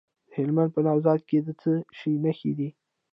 د هلمند په نوزاد کې د څه شي نښې دي؟